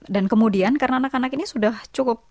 dan kemudian karena anak anak ini sudah cukup